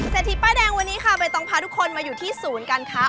ทีป้ายแดงวันนี้ค่ะใบตองพาทุกคนมาอยู่ที่ศูนย์การค้า